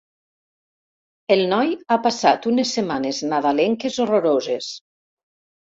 El noi ha passat unes setmanes nadalenques horroroses.